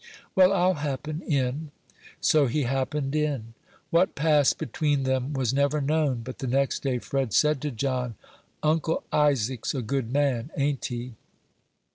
"Well, I'll happen in." So he happened in. What passed between them was never known; but the next day Fred said to John, "Uncle Isaac's a good man ain't he?"